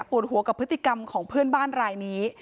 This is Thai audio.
หัวกับพฤติกรรมของเพื่อนบ้านรายนี้